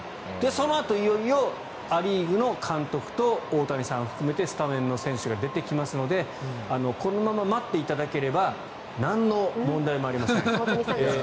そのあといよいよア・リーグの監督と大谷さん含めてスタメンの選手が出てきますのでこのまま待っていただければなんの問題もありません。